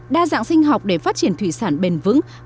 đa dạng sinh học để phát triển thủy sản bền vững